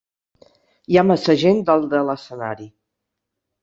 Hi ha massa gent dalt de l'escenari.